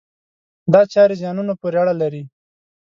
دا چارې زیانونو پورې اړه لري.